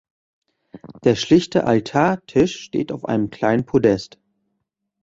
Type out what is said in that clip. Der schlichte Altartisch steht auf einem kleinen Podest.